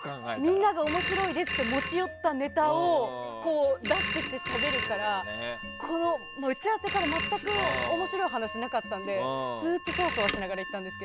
みんなが面白いですって持ち寄ったネタを出していってしゃべるから打ち合わせから全く面白い話なかったんでずっとそわそわしながら行ったんですよ。